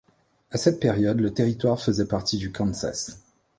À cette période le territoire faisait partie du Kansas.